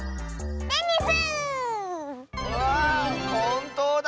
わあほんとうだ！